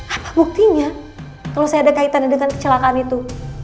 apa buktinya kalau saya ada kaitannya dengan kecelakaan itu